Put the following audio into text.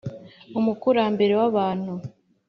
umukurambere w’abantu